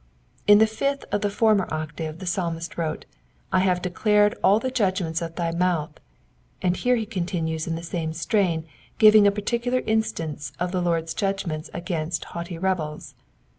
In the fifth of the former octave the Psalmist wrote, " I have declared all the judgments of thy mouth, and here he continues in the same strain, giving a particular instance of the Lord's judgments against haughty rebels.